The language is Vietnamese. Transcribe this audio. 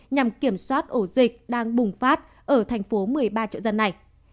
nhằm kiểm soát ổ dịch đang bùng phát ở thành phố một mươi ba chợ dân này